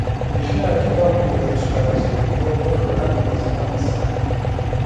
بېخي عجیبه غوندې راته ښکاره شول، یو بل ګړنګ وزمه سړک.